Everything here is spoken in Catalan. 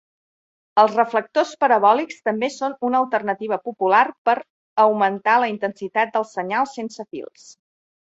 Els reflectors parabòlics també són una alternativa popular per augmentar la intensitat del senyal sense fils.